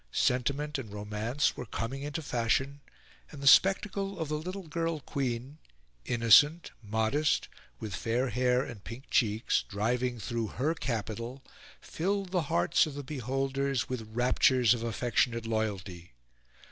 Sentiment and romance were coming into fashion; and the spectacle of the little girl queen, innocent, modest, with fair hair and pink cheeks, driving through her capital, filled the hearts of the beholders with raptures of affectionate loyalty.